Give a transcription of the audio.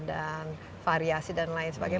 dan variasi dan lain sebagainya